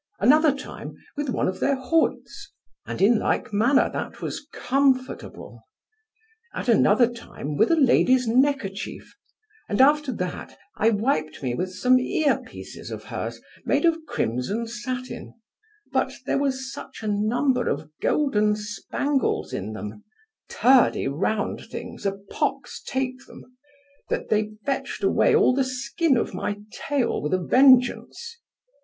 Another time with one of their hoods, and in like manner that was comfortable. At another time with a lady's neckerchief, and after that I wiped me with some ear pieces of hers made of crimson satin, but there was such a number of golden spangles in them (turdy round things, a pox take them) that they fetched away all the skin of my tail with a vengeance.